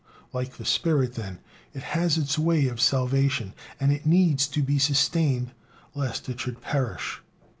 Like the spirit, then, it has its way of salvation, and it needs to be sustained lest it should perish.